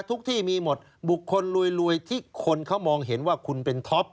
ที่มีหมดบุคคลรวยที่คนเขามองเห็นว่าคุณเป็นท็อป